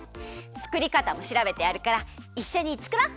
つくりかたもしらべてあるからいっしょにつくろう！